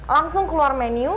langsung keluar menu